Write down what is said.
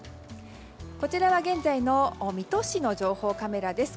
こちらは現在の水戸市の情報カメラです。